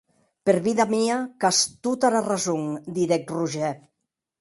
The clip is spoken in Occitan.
Per vida mia qu’as tota era rason, didec Roger.